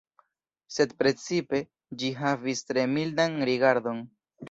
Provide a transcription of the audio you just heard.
Sed precipe, ĝi havis tre mildan rigardon.